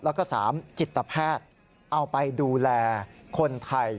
แล้วก็๓จิตแพทย์เอาไปดูแลคนไทย